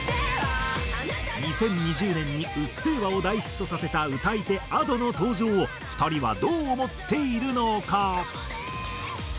２０２０年に『うっせぇわ』を大ヒットさせた歌い手Ａｄｏの登場を２人はどう思っているのか？